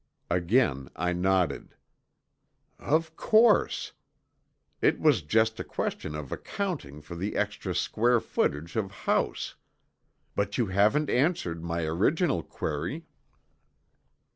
Again I nodded. "Of course. It was just a question of accounting for the extra square footage of house. But you haven't answered my original query."